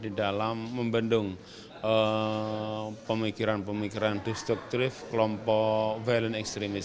di dalam membendung pemikiran pemikiran destruktif kelompok violent extremis